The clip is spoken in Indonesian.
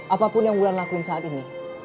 apapun yang wulan lakuin saat ini